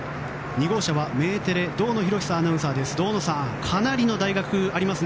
２号車はメテレ堂野浩久アナウンサーです。